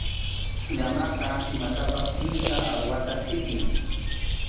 Llamaqa imatapas kimsa aruwata qʼipin.